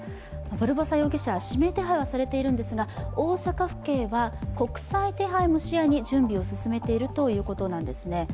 バルボサ容疑者、指名手配はされているんですが大阪府警は国際手配も視野に準備を進めているということなんですね。